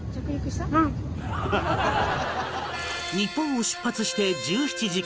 日本を出発して１７時間